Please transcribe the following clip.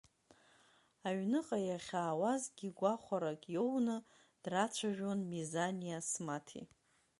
Аҩныҟа иахьаауазгьы гәахәарак иоуны драцәажәон Мизани Асмаҭи.